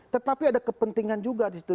tetapi ada kepentingan juga disitu